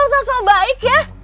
lo harus seseorang baik ya